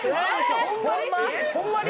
ホンマに？